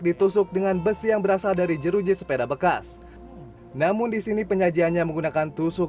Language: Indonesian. ditusuk dengan besi yang berasal dari jeruji sepeda bekas namun disini penyajiannya menggunakan tusuk